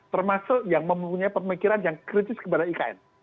termasuk yang mempunyai pemikiran yang kritis kepada ikn